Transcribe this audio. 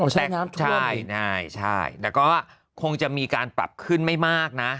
ใช่ครับใช่แต่ก็คงจะมีการปรับขึ้นไม่มากนะ